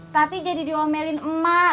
tati jadi diomelin emak